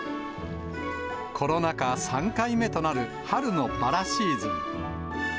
コロナ禍３回目となる春のバラシーズン。